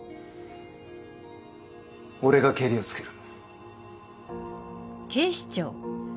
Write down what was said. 俺がケリをつける。